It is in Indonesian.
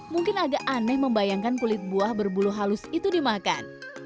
mungkin agak aneh membayangkan kulit buah berbulu halus itu dimakan